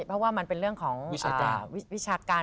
เพราะว่ามันเป็นเรื่องของวิชาการ